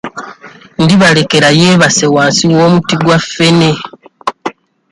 Ndibalekera yeebase wansi w'omuti gwa ffene